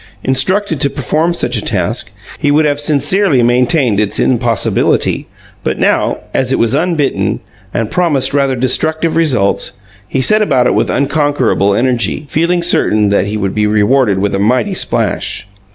Instructed to perform such a task, he would have sincerely maintained its impossibility but now, as it was unbidden, and promised rather destructive results, he set about it with unconquerable energy, feeling certain that he would be rewarded with a mighty splash.